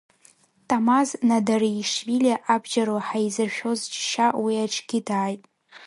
Тамаз Надареишьвили абџьарла ҳаизыршәоз џьышьа уи аҿгьы дааит.